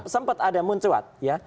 sempat ada muncuat ya